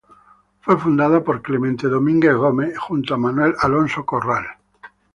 Fue fundada por Clemente Domínguez y Gómez junto a Manuel Alonso Corral.